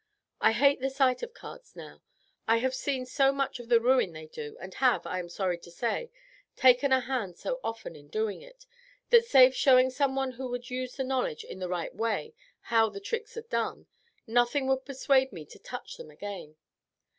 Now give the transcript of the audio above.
I hate the sight of cards now. I have seen so much of the ruin they do, and have, I am sorry to say, taken a hand so often in doing it, that save showing someone who would use the knowledge in the right way how the tricks are done, nothing would persuade me to touch them again.